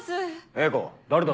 英子誰だ？